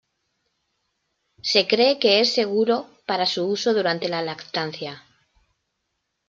Se cree que es seguro para su uso durante la lactancia.